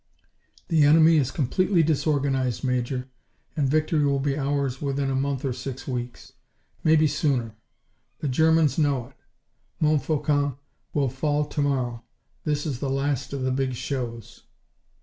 The enemy is completely disorganized, Major, and victory will be ours within a month or six weeks. Maybe sooner. The Germans know it. Montfaucon will fall to morrow. This is the last of the big shows."